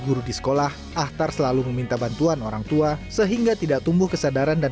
guru di sekolah ahtar selalu meminta bantuan orang tua sehingga tidak tumbuh kesadaran dan